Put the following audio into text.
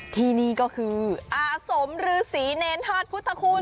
ที่นี่ก็คืออสมรือศรีเนยนธาตุพุทธคุณ